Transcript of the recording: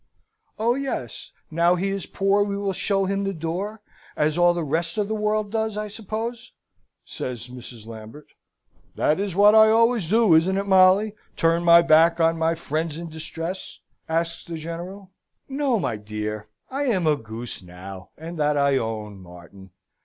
"Oh yes: now he is poor we will show him the door, as all the rest of the world does, I suppose," says Mrs. Lambert. "That is what I always do, isn't it, Molly? turn my back on my friends in distress?" asks the General. "No, my dear! I am a goose, now, and that I own, Martin!"